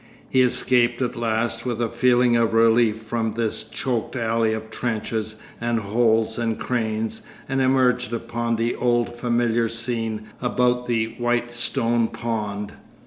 He escaped at last with a feeling of relief from this choked alley of trenches and holes and cranes, and emerged upon the old familiar scene about the White Stone Pond.